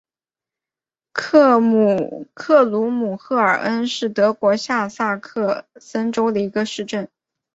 克鲁姆赫尔恩是德国下萨克森州的一个市镇。